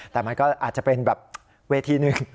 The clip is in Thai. แต่มันก็อาจจะเป็นแบบเวทีหนึ่ง